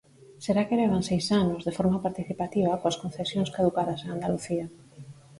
Será que levan seis anos, de forma participativa, coas concesións caducadas en Andalucía.